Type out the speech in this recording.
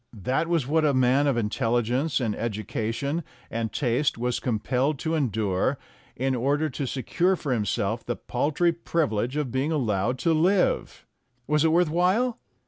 That was what a man of intelligence and edu cation and taste was compelled to endure in order to secure for himself the paltry privilege of being allowed to live. Was it worth while?